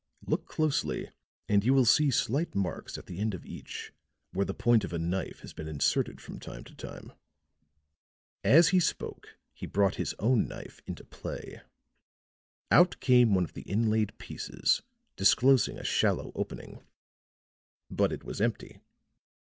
Look closely and you will see slight marks at the ends of each where the point of a knife has been inserted from time to time." As he spoke he brought his own knife into play. Out came one of the inlaid pieces, disclosing a shallow opening. But it was empty.